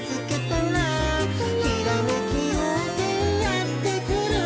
「ひらめきようせいやってくる」